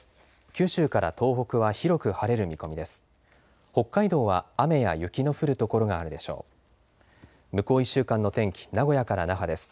九州から東北は広く晴れる見込みです。